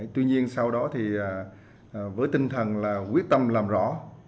tuy nhiên sau đó thì với tinh thần là quyết tâm làm rõ